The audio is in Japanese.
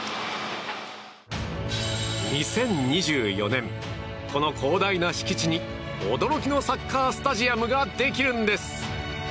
２０２４年、この広大な敷地に驚きのサッカースタジアムができるんです。